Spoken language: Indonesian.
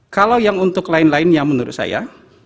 kalau yang untuk lain lainnya menurut saya